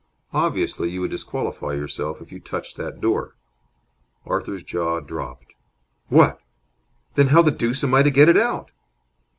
Obviously you would disqualify yourself if you touched that door." Arthur's jaw dropped. "What! Then how the deuce am I to get it out?"